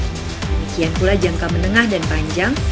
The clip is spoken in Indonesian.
demikian pula jangka menengah dan panjang